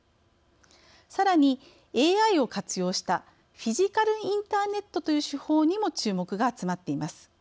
さらにＡＩを活用したフィジカルインターネットという手法にも注目が集まっています。